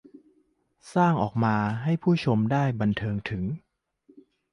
สร้างออกมาให้ผู้ชมได้บันเทิงถึง